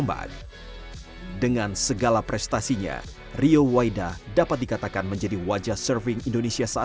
mungkin saya akan menjadi sedikit berdosa